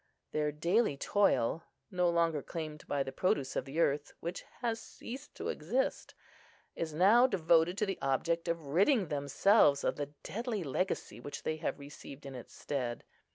Their daily toil, no longer claimed by the produce of the earth, which has ceased to exist, is now devoted to the object of ridding themselves of the deadly legacy which they have received in its stead.